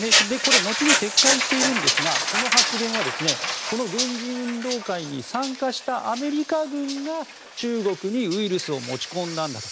後に撤回しているんですがこの発言はこの軍人運動会に参加したアメリカ軍が中国にウイルスを持ち込んだんだと。